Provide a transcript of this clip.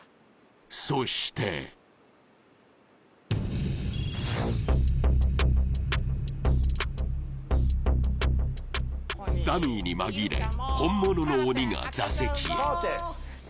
そしてダミーに紛れ本物の鬼が座席へ・